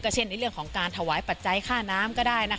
เช่นในเรื่องของการถวายปัจจัยค่าน้ำก็ได้